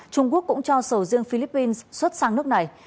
trung quốc cũng cho sầu riêng philippines xuất sang nước này